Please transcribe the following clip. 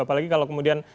apalagi kalau kemudian